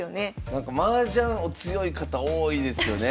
なんかマージャンお強い方多いですよね。